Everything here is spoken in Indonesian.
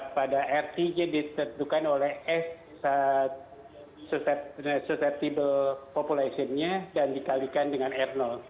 pada rt dia ditentukan oleh s susceptible population nya dan dikalikan dengan r